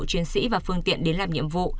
chuyên sĩ và phương tiện đến làm nhiệm vụ